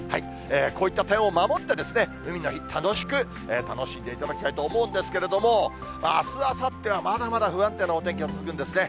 こういった点を守って、海の日、楽しく楽しんでいただきたいと思うんですけれども、あす、あさってはまだまだ不安定なお天気が続くんですね。